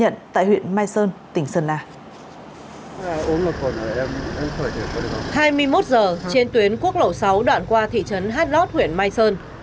hai mươi một h trên tuyến quốc lộ sáu đoạn qua thị trấn hát lót huyện mai sơn